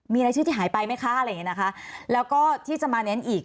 มีรายชื่อที่หายไปไหมคะอะไรอย่างเงี้นะคะแล้วก็ที่จะมาเน้นอีก